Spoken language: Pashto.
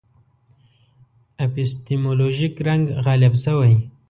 اپیستیمولوژیک رنګ غالب شوی.